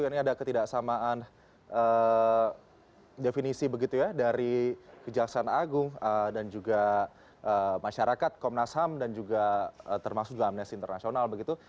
ini ada ketidaksamaan definisi begitu ya dari kejaksaan agung dan juga masyarakat komnas ham dan juga termasuk juga amnesty international begitu